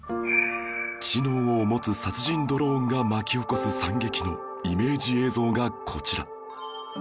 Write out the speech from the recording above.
知能を持つ殺人ドローンが巻き起こす惨劇のイメージ映像がこちら